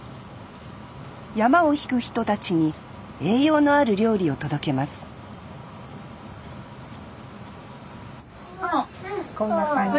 曳山を引く人たちに栄養のある料理を届けますあら。